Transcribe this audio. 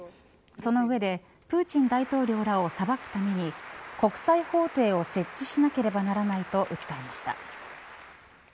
その上でプーチン大統領らを裁くために、国際法廷を設置しなければならないと訴えました。